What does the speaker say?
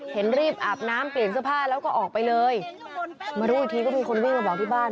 เห็นรีบอาบน้ำเปลี่ยนเสื้อผ้าแล้วก็ออกไปเลยมารู้อีกทีก็มีคนวิ่งมาบอกที่บ้าน